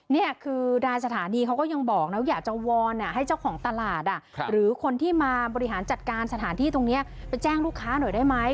นี่คือรายสถานีเขาก็ยังบอกนะอยากจะวอนให้เจ้าของตลาดหรือคนที่มาบริหารจัดการสถานที่ตรงนี้ไปแจ้งลูกค้าหน่อยได้ไหม